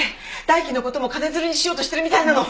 大樹の事も金づるにしようとしてるみたいなの！